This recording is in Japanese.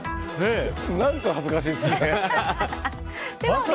何か恥ずかしいですね。